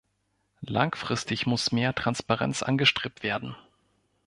Langfristig muss mehr Transparenz angestrebt werden.